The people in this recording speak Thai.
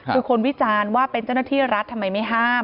คือคนวิจารณ์ว่าเป็นเจ้าหน้าที่รัฐทำไมไม่ห้าม